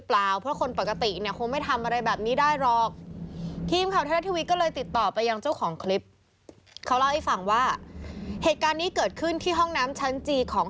ล็อกกรอนถอนเกงนั่ง